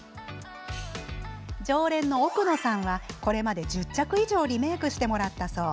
常連の奥野さんはこれまで１０着以上リメークしてもらったそう。